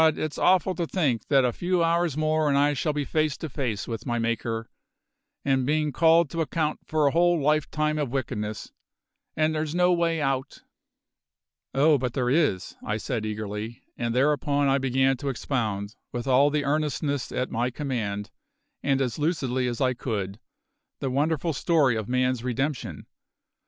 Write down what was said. it's awful to think that a few hours more and I shall be face to face with my Maker, and bein' called to account for a whole lifetime of wickedness. And there's no way out!" "Oh, but there is," I said eagerly, and thereupon I began to expound, with all the earnestness at my command, and as lucidly as I could, the wonderful story of man's redemption.